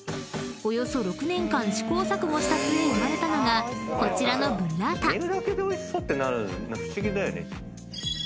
［およそ６年間試行錯誤した末生まれたのがこちらのブッラータ］